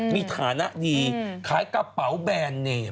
มีฐานะดีขายกระเป๋าแบรนด์เนม